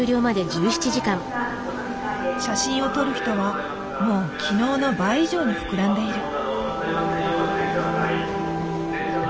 写真を撮る人はもう昨日の倍以上に膨らんでいる。